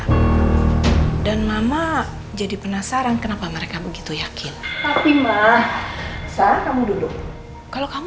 hai dan mama jadi penasaran kenapa mereka begitu yakin tapi mah kamu duduk kalau kamu